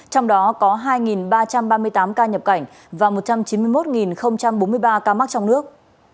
trong đó có hai ba trăm ba mươi tám ca nhập cảnh và một trăm chín mươi một bốn mươi ba ca mắc trong nước